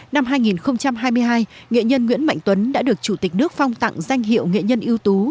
năm hai nghìn hai mươi hai nghệ nhân nguyễn mạnh tuấn đã được chủ tịch nước phong tặng danh hiệu nghệ nhân ưu tú